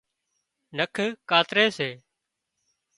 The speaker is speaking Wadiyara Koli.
نک ڪاتري سي